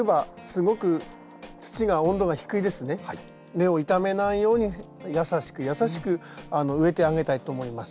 根を傷めないように優しく優しく植えてあげたいと思います。